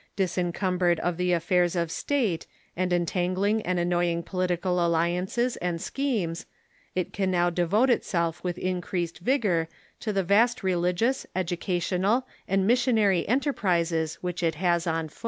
Disencum bered of the affairs of state and entangling and annoying political alliances and schemes, it can now devote itself with increased vigor to the vast religious, educational, and mission ary enterprises which it has on foot.